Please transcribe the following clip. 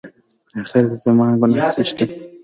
اخېر زما ګناه څه شی ده؟